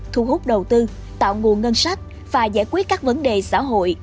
thu hút đầu tư tạo nguồn ngân sách và giải quyết các vấn đề xã hội